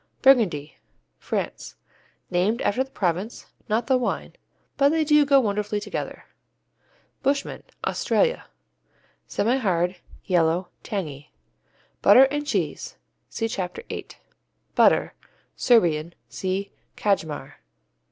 Burgundy France Named after the province, not the wine, but they go wonderfully together. Bushman Australia Semihard; yellow; tangy. Butter and Cheese see Chapter 8. "Butter," Serbian see Kajmar.